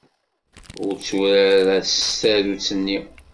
Ur tturar s tsarut-nni.